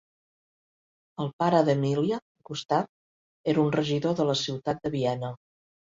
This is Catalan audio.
El pare d'Emilia, Gustav, era un regidor de la ciutat de Viena.